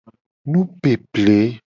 Nupeple.